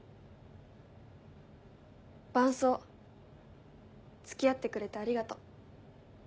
伴走付き合ってくれてありがとう。